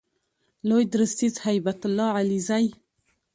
لوی درستیز هیبت الله علیزی